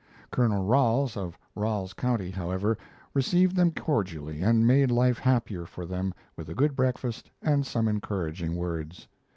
Colonel Ralls, of Ralls County, however, received them cordially and made life happier for them with a good breakfast and some encouraging words.